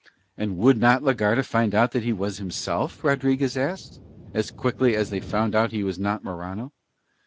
And would not la Garda find out that he was himself, Rodriguez asked, as quickly as they found out he was not Morano.